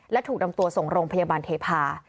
และถูกนำตัวส่งโรงพยาบาลเทพา